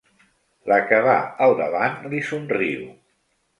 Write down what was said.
La que va al davant li somriu.